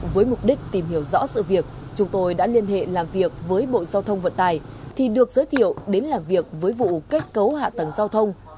với mục đích tìm hiểu rõ sự việc chúng tôi đã liên hệ làm việc với bộ giao thông vận tài thì được giới thiệu đến làm việc với vụ kết cấu hạ tầng giao thông